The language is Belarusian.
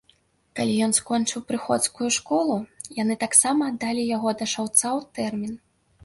Калі ён скончыў прыходскую школу, яны таксама аддалі яго да шаўца ў тэрмін.